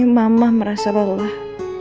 mama merasa belah